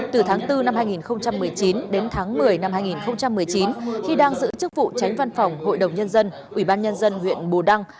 từ tháng bốn năm hai nghìn một mươi chín đến tháng một mươi năm hai nghìn một mươi chín khi đang giữ chức vụ tránh văn phòng hội đồng nhân dân ủy ban nhân dân huyện bù đăng